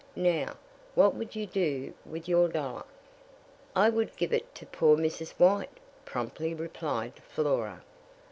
Now, what would you do with your dollar?" "I would give it to poor Mrs. White," promptly replied Flora.